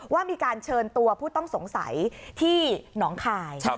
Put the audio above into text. ว่ามีการเชิญตัวผู้ต้องสงสัยที่หนองคาย